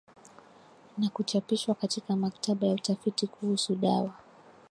na kuchapishwa katika maktaba ya utafiti kuhusu dawa